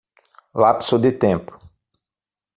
Lapso de tempo